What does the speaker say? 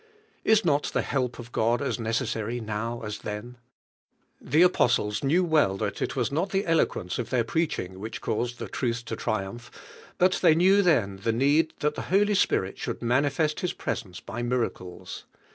Is not the help of God as necessary now as then? The apostles knew well thai it was not the eloquence of their preaching which caused the truth to triumph, hut they knew then the need that the Holy Spirit should manifest His presence by miracles.